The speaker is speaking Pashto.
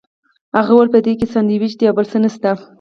هغه وویل په دې کې ساندوېچ دي او بل څه نشته.